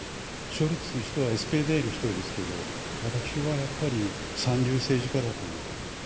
ショルツという人はＳＰＤの人ですけど、私は三流政治家だと思っています。